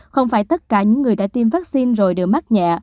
không phải tất cả những người đã tiêm vaccine rồi đều mắc nhẹ